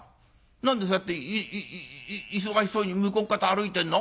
何でそうやって忙しそうに向こうっ方歩いてんの？